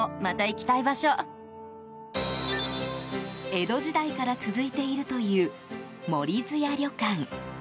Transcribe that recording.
江戸時代から続いているという森津屋旅館。